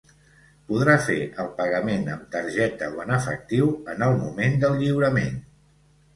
Podrà fer el pagament amb targeta o en efectiu en el moment del lliurament.